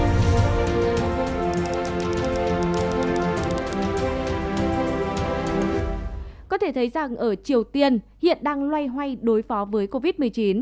có thể thấy rằng ở triều tiên hiện đang loay hoay đối phó với covid một mươi chín